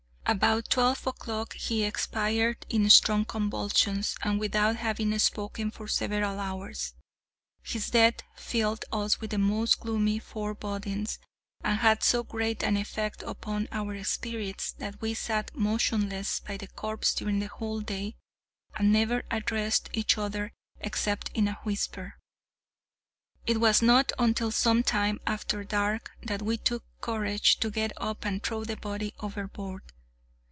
About twelve o'clock he expired in strong convulsions, and without having spoken for several hours. His death filled us with the most gloomy forebodings, and had so great an effect upon our spirits that we sat motionless by the corpse during the whole day, and never addressed each other except in a whisper. It was not until some time after dark that we took courage to get up and throw the body overboard.